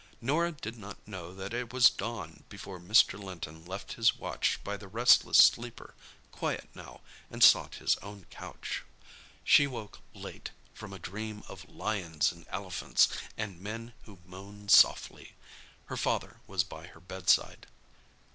Norah did not know that it was dawn before Mr. Linton left his watch by the restless sleeper, quiet now, and sought his own couch. She woke late, from a dream of lions and elephants, and men who moaned softly. Her father was by her bedside.